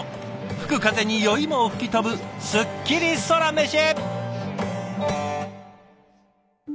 吹く風に酔いも吹き飛ぶすっきりソラメシ！